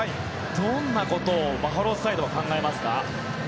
どんなことをバファローズサイドは考えますか？